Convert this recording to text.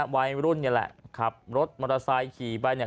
วัยรุ่นนี่แหละขับรถมอเตอร์ไซค์ขี่ไปเนี่ย